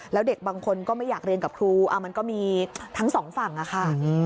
แล้วเด็กบางคนก็ไม่อยากเรียนกับครูมันก็มีทั้งสองฝั่งอะค่ะ